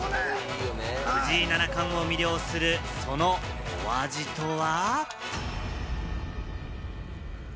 藤井七冠を魅了する、そのお味とは？